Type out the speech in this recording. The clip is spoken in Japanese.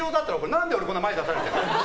何で、俺こんな前、出されてんの？